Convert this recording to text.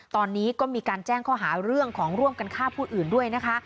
ตอนนี้ก็มีการแจ้งข้อหาเรื่องของร่วมกันฆ่าผู้อื่นด้วยนะคะ